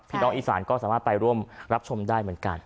น้องอีสานก็สามารถไปร่วมรับชมได้เหมือนกัน